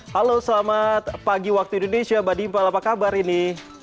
halo selamat pagi waktu indonesia mbak dimpel apa kabar ini